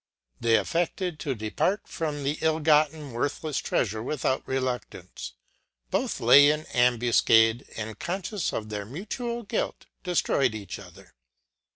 Both afteded to depart from the ill gotten, worthlefs treafure without reluctance : both lay in ambuf cade ; and confcious of their mutual guilt, deftroyed each other.